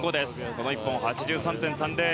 この１本８８．３０。